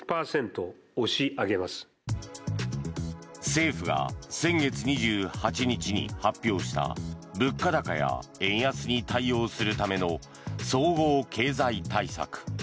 政府が先月２８日に発表した物価高や円安に対応するための総合経済対策。